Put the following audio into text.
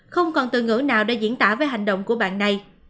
không còn từ ngữ nào để diễn tả về hành động của bạn này